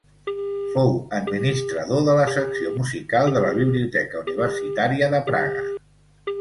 Fou administrador de la secció musical de la Biblioteca Universitària de Praga.